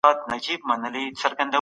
سم نیت ډار نه راوړي.